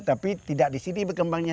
tapi tidak di sini berkembangnya